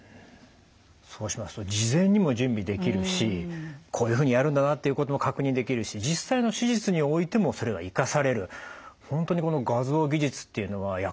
そうしますと事前にも準備できるしこういうふうにやるんだなっていうことも確認できるし実際の手術においてもそれは生かされる本当にこの画像技術っていうのは役立ってるんですね。